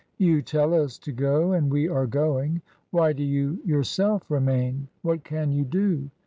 You tell us to go and we are going; why do you yourself remain? What can you do?